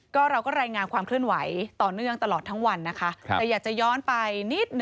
ก็ต้องดำเนินการต่อไป